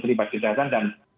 terlibat kejahatan dan